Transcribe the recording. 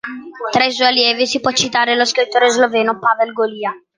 Tra i suoi allievi si può citare lo scrittore sloveno Pavel Golia.